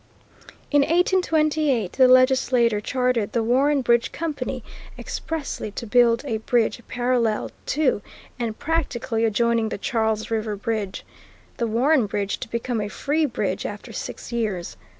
In 1828 the legislature chartered the Warren Bridge Company, expressly to build a bridge parallel to and practically adjoining the Charles River Bridge, the Warren Bridge to become a free bridge after six years.